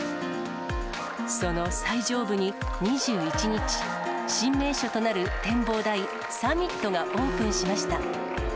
その最上部に２１日、新名所となる展望台、ＳＵＭＭＩＴがオープンしました。